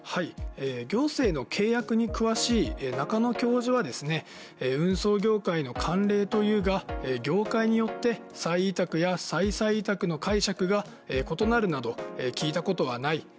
行政の契約に詳しい中野教授はですね、運送業界の慣例というが業界によって、再委託や再々委託の解釈が異なるなど、聞いたことはない。